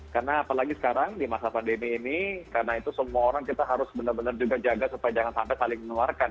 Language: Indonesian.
karena apalagi sekarang di masa pandemi ini karena itu semua orang kita harus benar benar juga jaga supaya jangan sampai paling mengeluarkan